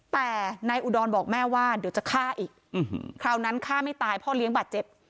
แต่นายอุดรบอกแม่ว่าเดี๋ยวจะฆ่าอีกคราวนั้นฆ่าไม่ตายพ่อเลี้ยงบาดเจ็บ